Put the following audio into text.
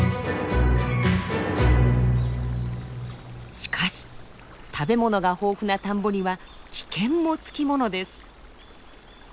しかし食べ物が豊富な田んぼには危険もつきものです。